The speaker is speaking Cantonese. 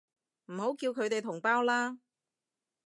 唔好叫佢哋同胞啦